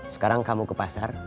sekarang kamu ke pasar